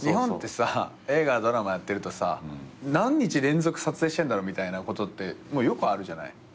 日本って映画ドラマやってるとさ何日連続撮影してるんだろうみたいなことってよくあるじゃない。